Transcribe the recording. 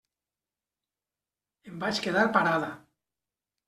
Em vaig quedar parada.